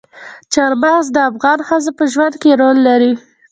چار مغز د افغان ښځو په ژوند کې رول لري.